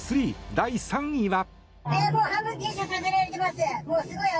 第３位は。